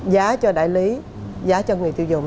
giá cho đại lý giá cho người tiêu dùng